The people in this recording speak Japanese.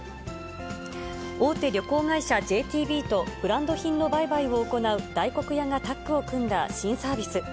大手旅行会社ＪＴＢと、ブランド品の売買を行う大黒屋がタッグを組んだ新サービス。